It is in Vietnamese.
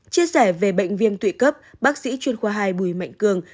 chia sẻ về bệnh viêm tụy cấp bác sĩ chuyên khoa hai bùi mạnh cường